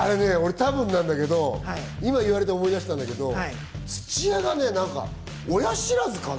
多分なんだけど今言われて思い出したけど、土屋は親知らずかな、